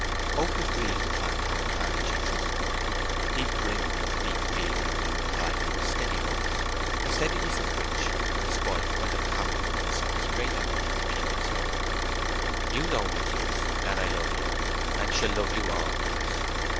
Oak was grieved to find how entirely she trusted him. He brimmed with deep feeling as he replied in a steady voice, the steadiness of which was spoilt by the palpableness of his great effort to keep it so:— "You know, mistress, that I love you, and shall love you always.